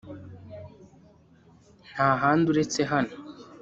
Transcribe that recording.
Nta handi uretse hano